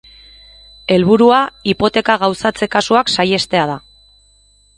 Helburua hipoteka gauzatze-kasuak saihestea da.